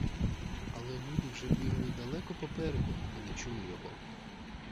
Але люди вже бігли далеко попереду і не чули його.